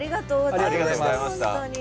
ありがとうございました本当に。